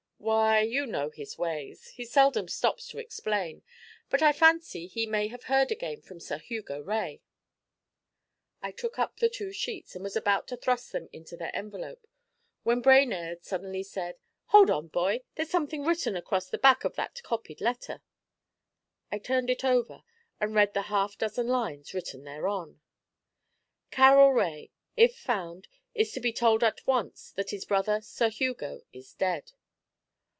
'Why, you know his ways he seldom stops to explain; but I fancy he may have heard again from Sir Hugo Rae.' I took up the two sheets, and was about to thrust them into their envelope, when Brainerd suddenly said: 'Hold on, boy! there's something written across the back of that copied letter.' I turned it over and read the half dozen lines written thereon: '"Carroll Rae, if found, is to be told at once that his brother, Sir Hugo, is dead."'